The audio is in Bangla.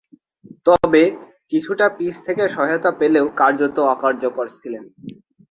তবে, কিছুটা পিচ থেকে সহায়তা পেলেও কার্যত অকার্যকর ছিলেন।